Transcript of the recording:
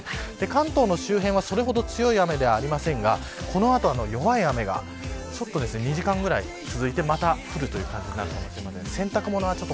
関東の周辺はそれほど強い雨ではありませんがこの後、弱い雨が２時間くらい続いてまた降るということになりそうです。